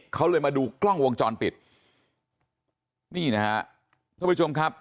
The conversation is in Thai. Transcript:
เขาเลยมาดูกล้องวงจรปิดนี่นะฮะท่านผู้ชมครับ